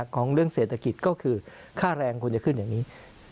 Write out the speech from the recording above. ของเรื่องเศรษฐกิจก็คือค่าแรงควรจะขึ้นอย่างนี้